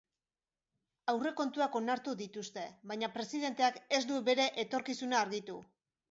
Aurrekontuak onartu dituzte, baina presidenteak ez du bere etorkizuna argitu.